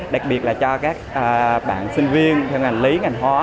đặc biệt là cho các bạn sinh viên theo ngành lý ngành hóa